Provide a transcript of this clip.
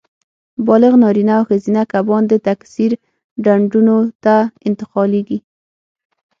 بالغ نارینه او ښځینه کبان د تکثیر ډنډونو ته انتقالېږي.